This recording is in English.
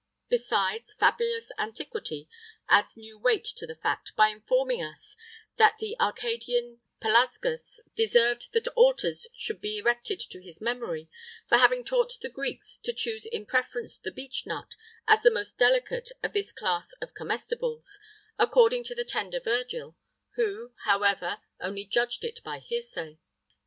[III 3] Besides, fabulous antiquity adds new weight to the fact, by informing us that the Arcadian Pelasgus[III 4] deserved that altars should be erected to his memory, for having taught the Greeks to choose in preference the beech nut, as the most delicate of this class of comestibles, according to the tender Virgil, who, however, only judged of it by hearsay.